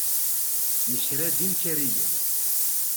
Nekra-d imkariyen.